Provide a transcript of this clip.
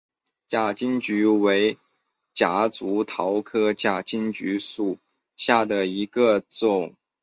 假金桔为夹竹桃科假金桔属下的一个种。